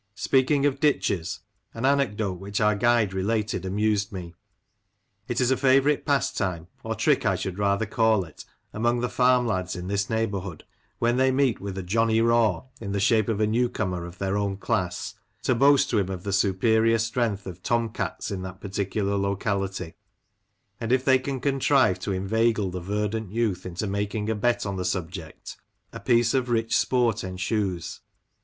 Speaking of ditches, an anecdote which our guide related, amused me. It is a favourite pastime, or trick I should rather call it, among the form lads in this neighbourhood, when they meet with a " Johnny Raw " in the shape of a new comer of their own class, to boast to him of the superior strength of tom cats in that particular locality ; and if they can contrive to inveigle the verdant youth into making a bet on the subject, a piece of rich sport ensues.